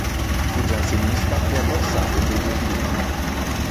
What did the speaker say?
Fu giansenista e avversario dei gesuiti.